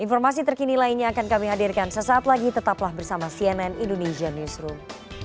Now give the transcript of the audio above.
informasi terkini lainnya akan kami hadirkan sesaat lagi tetaplah bersama cnn indonesia newsroom